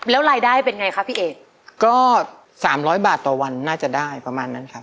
แล้วรายได้เป็นไงคะพี่เอกก็สามร้อยบาทต่อวันน่าจะได้ประมาณนั้นครับ